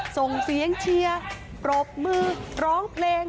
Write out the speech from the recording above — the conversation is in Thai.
ส่งเสียงเชียร์ปรบมือร้องเพลง